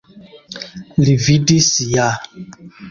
Li vidis ja.